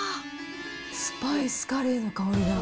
スパイスカレーの香りだ。